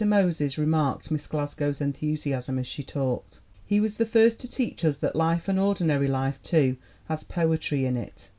Moses remarked Miss Glasgow's enthusiasm as she talked. "He was the first to teach us that life and ordinary life, too has poetry in it.